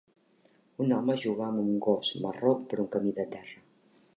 Un home juga amb un gos marró per un camí de terra.